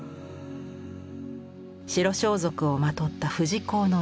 白装束をまとった富士講の一団。